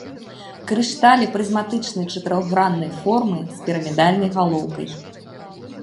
Крышталі прызматычнай чатырохграннай формы з пірамідальнай галоўкай.